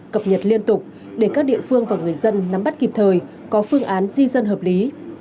cập nhật liên tục để các địa phương và người dân nắm bắt kịp thời có phương án di dân hợp lý